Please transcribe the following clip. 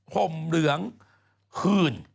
ผมเหลืองคืน